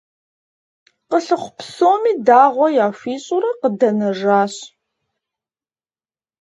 Къылъыхъу псоми дагъуэ яхуищӏурэ къыдэнэжащ.